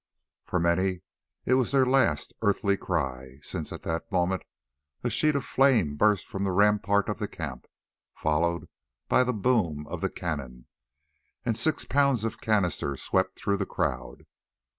For many it was their last earthly cry, since at that moment a sheet of flame burst from the rampart of the camp, followed by the boom of the cannon, and six pounds of canister swept through the crowd.